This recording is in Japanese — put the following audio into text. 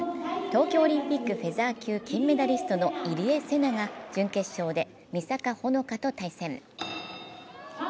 東京オリンピックフェザー級金メダリストの入江聖奈が準決勝で美坂穂香と対戦。